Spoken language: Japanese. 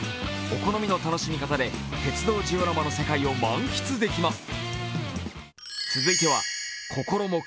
お好みの楽しみ方で鉄道ジオラマの世界を満喫できます。